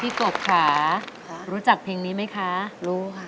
พี่กกค่ะรู้จักเพลงนี้มั้ยคะรู้ค่ะฟังบ่อยมั้ยคะ